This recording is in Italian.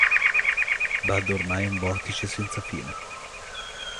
Bud ormai è in un vortice senza fine.